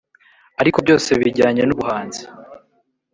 ariko byose bijyanye n’ubuhanzi.